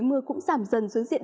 mưa cũng giảm dần xuống diện